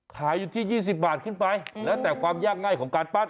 ขายอยู่ที่๒๐บาทขึ้นไปแล้วแต่ความยากง่ายของการปั้น